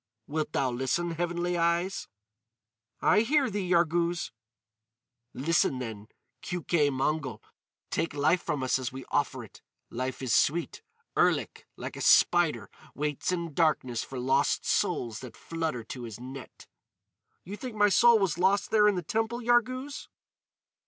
"Wilt thou listen, Heavenly Eyes?" "I hear thee, Yarghouz." "Listen then, Keuke Mongol. Take life from us as we offer it. Life is sweet. Erlik, like a spider, waits in darkness for lost souls that flutter to his net." "You think my soul was lost there in the temple, Yarghouz?"